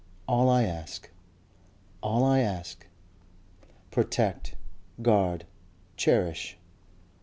All I ask. All I ask. Protect, guard, cherish...."